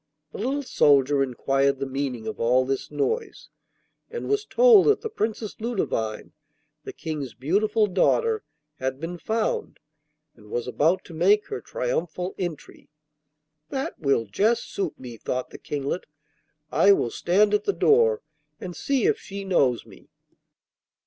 The little soldier inquired the meaning of all this noise, and was told that the Princess Ludovine, the King's beautiful daughter, had been found, and was about to make her triumphal entry. 'That will just suit me,' thought the Kinglet; 'I will stand at the door and see if she knows me.